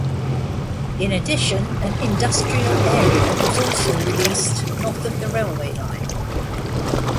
In addition, an industrial area was also released north of the railway line.